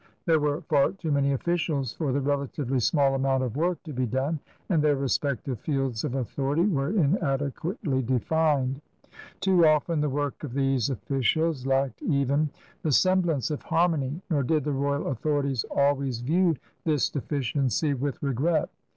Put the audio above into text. There were far too many officiab for the relatively small amount of work to be done, and their respective fields of authority were inadequately defined. Too often the work of these officials lacked even 70 CRUSADERS OF NEW FRANCE the semblance of hannony, nor did the royal authorities always view this deficiency with regret.